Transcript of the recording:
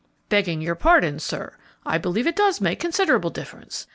"Begging your pardon, sir, I believe it does make considerable difference.